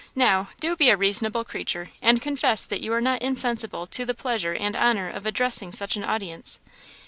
Now, do be a reasonable creature, and confess that you are not insensible to the pleasure and honour of addressing such an audience!"